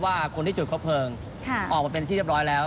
ว่าคนที่จุดคบเพลิงออกมาเป็นที่เรียบร้อยแล้ว